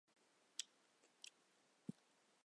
他也代表俄罗斯国家篮球队参赛。